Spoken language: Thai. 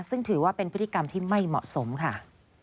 ซึ่งถือว่าเป็นพฤติกรรมที่ไม่เหมาะสมค่ะ